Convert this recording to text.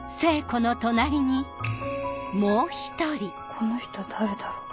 この人誰だろう？